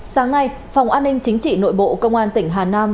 sáng nay phòng an ninh chính trị nội bộ công an tỉnh hà nam